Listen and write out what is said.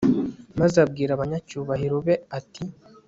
maze abwira abanyacyubahiro be, ati